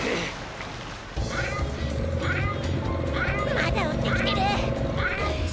まだおってきてる！